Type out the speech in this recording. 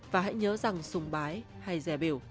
và hãy nhớ rằng sùng bái hay rè biểu